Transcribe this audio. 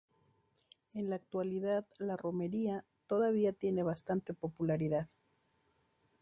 En la actualidad la romería todavía tiene bastante popularidad.